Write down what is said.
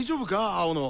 青野。